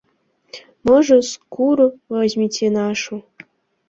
Можа, скуру возьмеце нашу?